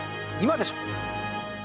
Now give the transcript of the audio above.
今でしょ！